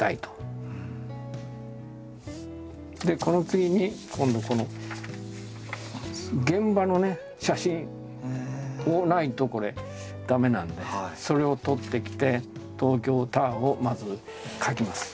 でこの次に今度この現場の写真をないと駄目なんでそれを撮ってきて東京タワーをまず描きます。